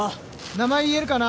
名前言えるかな？